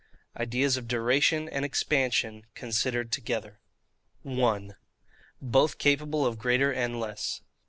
IDEAS OF DURATION AND EXPANSION, CONSIDERED TOGETHER. 1. Both capable of greater and less.